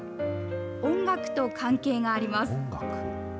音楽と関係があります。